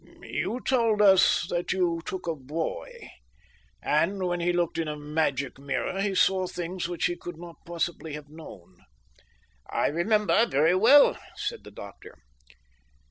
"You told us that you took a boy, and when he looked in a magic mirror, he saw things which he could not possibly have known." "I remember very well," said the doctor.